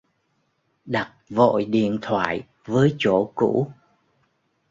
Đặt vội điện thoại với chỗ cũ